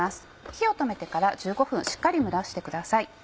火を止めてから１５分しっかり蒸らしてください。